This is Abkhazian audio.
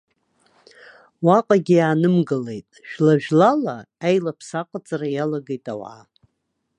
Уаҟагьы иаанымгылеит, жәла-жәлала аилаԥса аҟаҵара иалагеит ауаа.